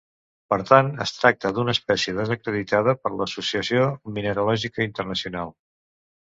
Per tant es tracta d'una espècie desacreditada per l'Associació Mineralògica Internacional.